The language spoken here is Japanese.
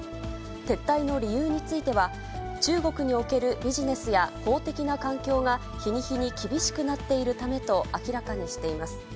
撤退の理由については、中国におけるビジネスや法的な環境が日に日に厳しくなっているためと明らかにしています。